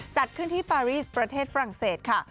จัดขึ้นที่ปารีสประเทศฝรั่งเศสค่ะ